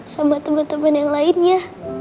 sama teman teman yang lainnya